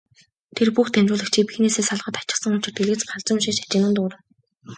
Тэр бүх дамжуулагчийг биенээсээ салгаад хаячихсан учир дэлгэц галзуу юм шиг шажигнан дуугарна.